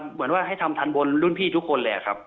เหมือนว่าให้ทำทันบนรุ่นพี่ทุกคนเลยครับ